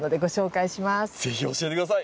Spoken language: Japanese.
是非教えて下さい。